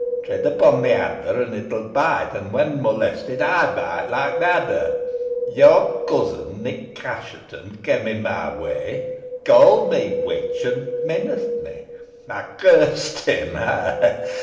Tread upon the adder and it will bite; and, when molested, I bite like the adder. Your cousin, Nick Assheton, came in my way, called me 'witch,' and menaced me. I cursed him ha! ha!